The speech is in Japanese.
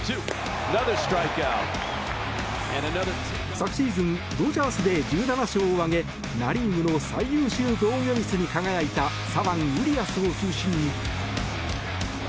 昨シーズンドジャースで１７勝を挙げナ・リーグの最優秀防御率に輝いた左腕、ウリアスを中心に。